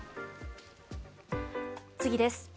次です。